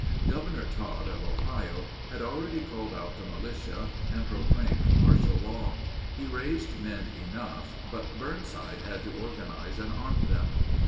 Governor Tod of Ohio had already called out the militia and proclaimed martial law. He raised men enough, but Burnside had to organize and arm them.